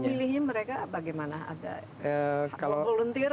memilih mereka bagaimana ada volunteer